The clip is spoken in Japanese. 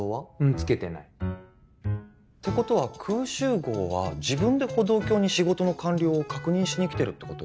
つけてないってことはクウシュウゴウは自分で歩道橋に仕事の完了を確認しに来てるってこと？